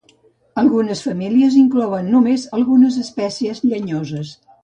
Algunes famílies inclouen només algunes espècies llenyoses.